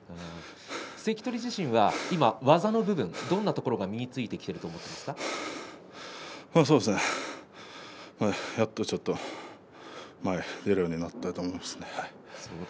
関取自身は技の部分どんなところが身についてきてやっとちょっと前に出られるようになったと思いますね。